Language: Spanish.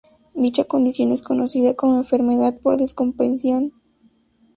Dicha condición es conocida como enfermedad por descompresión.